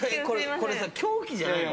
これ凶器じゃない。